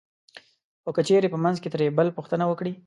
خو که چېرې په منځ کې ترې بل پوښتنه وکړي